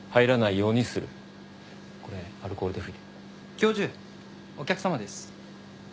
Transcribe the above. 教授お客様です。